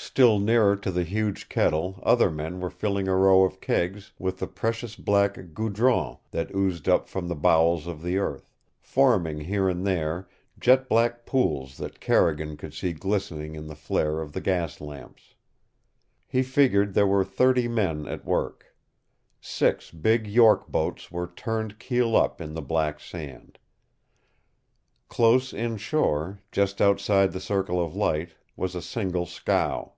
Still nearer to the huge kettle other men were filling a row of kegs with the precious black GOUDRON that oozed up from the bowels of the earth, forming here and there jet black pools that Carrigan could see glistening in the flare of the gas lamps. He figured there were thirty men at work. Six big York boats were turned keel up in the black sand. Close inshore, just outside the circle of light, was a single scow.